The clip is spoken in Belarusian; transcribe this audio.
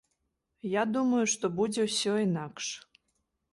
Я думаю, што будзе ўсё інакш.